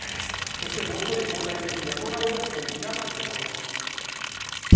そしてもう一人大谷選手に憧れる選手が絶好調です。